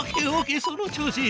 その調子。